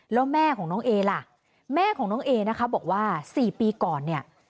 แล้วแม่ของน้องเอล่ะแม่ของน้องเอนะคะบอกว่า๔ปีก่อนเนี่ย